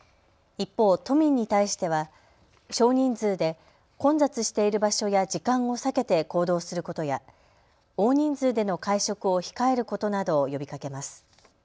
一方、都民に対しては少人数で混雑している場所や時間を避けて行動することや大人数での会食を控えることなどを呼びかけます。